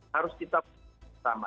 harus kita bersama